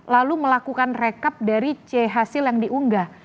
lalu melakukan rekap dari c hasil yang diunggah